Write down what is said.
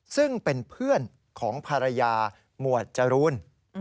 ซึ่งเป็นเพื่อนของภรรยาหมวดจรูน